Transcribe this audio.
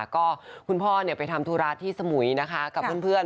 ก็คุณพ่อไปทำธุระที่สมุยนะคะกับเพื่อน